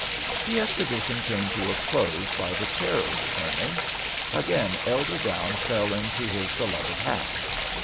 The exhibition came to a close by the chair overturning. Again Elder Brown fell into his beloved hat.